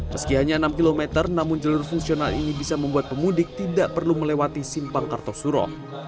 meski hanya enam km namun jalur fungsional ini bisa membuat pemudik tidak perlu melewati simpang kartosuro